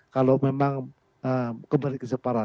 kalau memang kembali ke jepara